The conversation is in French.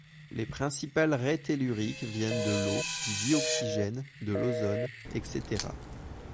Les principales raies telluriques viennent de l'eau, du dioxygène, de l'ozone, etc.